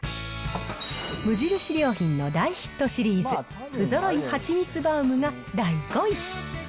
無印良品の大ヒットシリーズ、不揃いはちみつバウムが第５位。